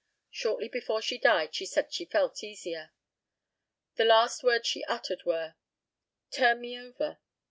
Shortly before she died she said she felt easier. The last words she uttered were "Turn me over."